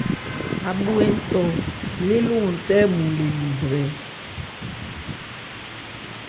Ábhwe ń tɔ lê ló ń tɛ ɔ́nmɔn le li brɛ.